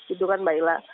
itu kan baiklah